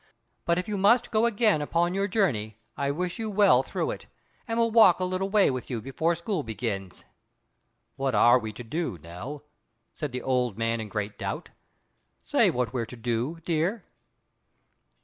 But if you must go again upon your journey, I wish you well through it, and will walk a little way with you before school begins." "What are we to do, Nell?" said the old man in great doubt. "Say what we're to do, dear."